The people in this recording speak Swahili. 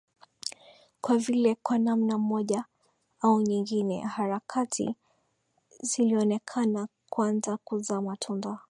Kwa vile kwa namna moja au nyingine harakati zilionekana kuanza kuzaa matunda